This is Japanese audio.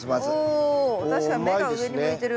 お確かに芽が上に向いてる。